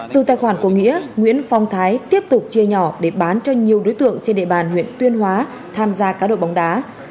từ tài khoản của nghĩa nguyễn phong thái tiếp tục chia nhỏ để bán cho nhiều đối tượng trên địa bàn huyện tuyên hóa tham gia cá độ bóng đá